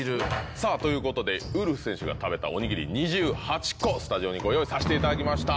さぁということでウルフ選手が食べたおにぎり２８個スタジオにご用意させていただきました。